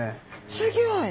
すギョい。